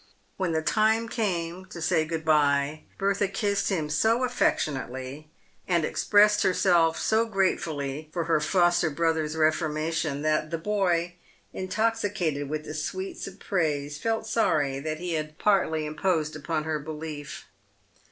When the time came to say good by, Bertha kissed him so affectionately, and expressed herself so gratefully for her foster brother's reforma tion, that the boy, intoxicated with the sweets of praise, felt sorry he had partly imposed upon her belief.